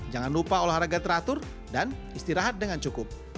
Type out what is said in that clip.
jangan lupa olahraga teratur dan istirahat dengan cukup